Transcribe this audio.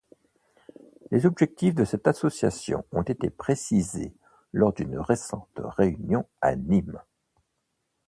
Les objectifs de cette association ont été précisés lors d'une récente réunion à Nîmes.